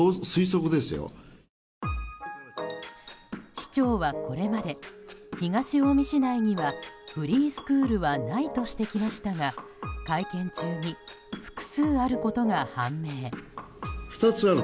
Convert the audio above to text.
市長はこれまで東近江市内にはフリースクールはないとしてきましたが会見中に、複数あることが判明。